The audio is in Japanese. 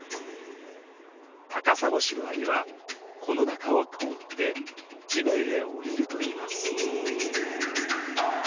タカサゴシロアリはこの中を通って地面へ下りるといいます。